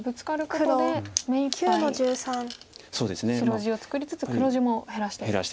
白地を作りつつ黒地も減らして。